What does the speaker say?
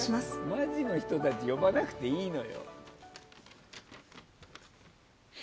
マジの人たち呼ばなくていいのよ。